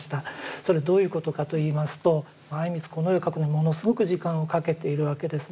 それはどういうことかといいますと靉光この絵を描くのにものすごく時間をかけているわけですね。